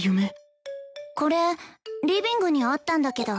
これリビングにあったんだけど。